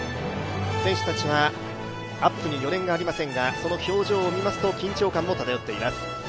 選手たちはアップに余念がありませんが、その表情を見ますと緊張感も漂っています。